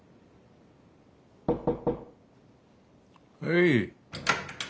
はい。